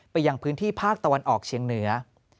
ยังพื้นที่ภาคตะวันออกเชียงเหนือ